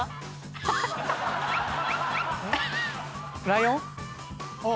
ライオン。